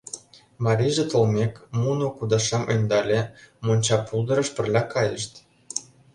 Марийже толмек, муно кудашам ӧндале, монча пулдырыш пырля кайышт.